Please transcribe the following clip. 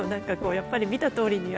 やっぱり見たとおりには。